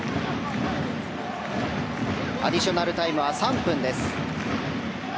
アディショナルタイムは３分です。